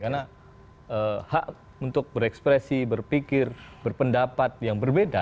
karena hak untuk berekspresi berpikir berpendapat yang berbeda